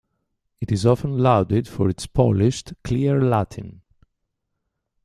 It is often lauded for its polished, clear Latin.